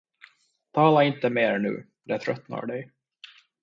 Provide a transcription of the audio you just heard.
Tala inte mer nu, det tröttar dig.